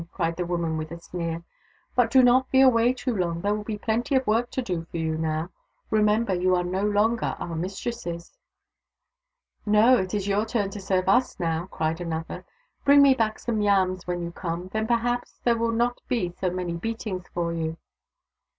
" cried the woman with a sneer. " But do not be away too long — there will be plenty of work to do, for you, now. Remember, you are no longer our mistresses." " No — it is your turn to serve us, now," cried another. " Bring me back some j^ams when you come — then perhaps there will not be so many beatings for you